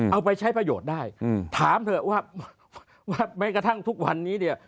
เอาไปใช้ประโยชน์ได้ถามเถอะว่าแม้กระทั่งทุกวันนี้เนี่ย